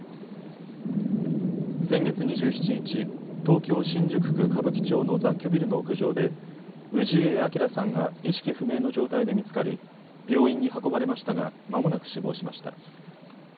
先月２７日、東京新宿区歌舞伎町の雑居ビルの屋上で氏家彰さんが意識不明の状態で見つかり病院に運ばれましたがまもなく死亡しました。